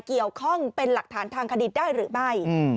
เกี่ยวข้องเป็นหลักฐานทางคดีได้หรือไม่